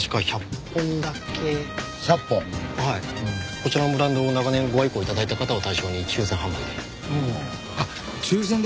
こちらのブランドを長年ご愛顧頂いた方を対象に抽選販売で。